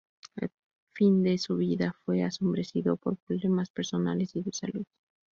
El fin de su vida fue ensombrecido por problemas personales y de salud.